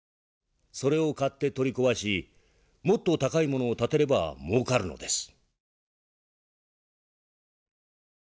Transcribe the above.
それを買って取り壊しもっと高いものを建てればもうかるのです」。